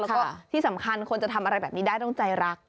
แล้วก็ที่สำคัญคนจะทำอะไรแบบนี้ได้ต้องใจรัก